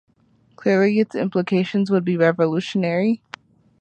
Clearly its implications would be revolutionary.